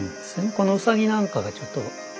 このウサギなんかがちょっと。